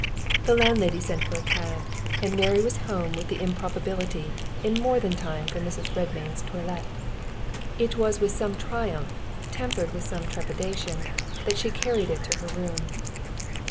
The landlady sent for a cab, and Mary was home with the improbability in more than time for Mrs. Redmain's toilet. It was with some triumph, tempered with some trepidation, that she carried it to her room.